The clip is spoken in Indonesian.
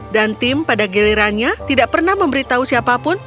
dan tim pada gilirannya tidak pernah memberitahu siapa pun